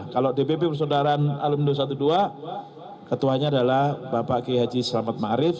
kalau dpp persodaraan alumni dua ratus dua belas ketuanya adalah bapak k h selamat ma'rif